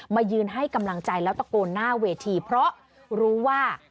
มายืนให้กำลังใจแล้วตะโกนหน้าเวทีเพราะรู้ว่า